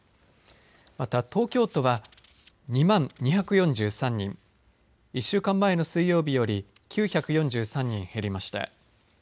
また東京都は２万２４３人１週間前の水曜日より９４３人減りました。